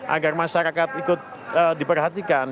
agar masyarakat ikut diperhatikan